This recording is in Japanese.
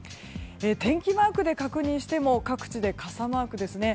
天気マークで確認しても各地で傘マークですね。